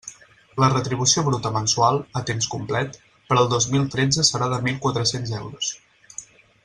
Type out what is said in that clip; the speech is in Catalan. La retribució bruta mensual, a temps complet, per al dos mil tretze serà de mil quatre-cents euros.